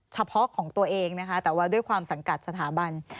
เฉพาะของตัวเองนะคะแต่ว่าด้วยความสังกัดสถาบัน